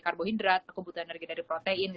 karbohidrat aku butuh energi dari protein